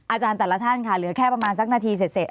อาจารย์แต่ละท่านค่ะเหลือแค่ประมาณสักนาทีเสร็จ